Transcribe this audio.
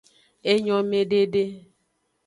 Enyomedede.